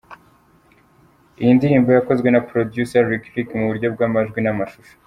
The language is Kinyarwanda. Iyi ndirimbo yakozwe na Producer Lick Lick mu buryo bw’amajwi n’amashusho.